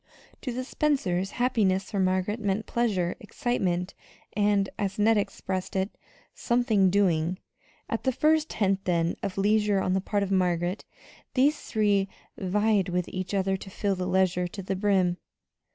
To the Spencers, happiness for Margaret meant pleasure, excitement, and as Ned expressed it "something doing." At the first hint, then, of leisure on the part of Margaret, these three vied with each other to fill that leisure to the brim.